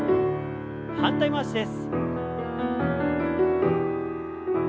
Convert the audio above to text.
反対回しです。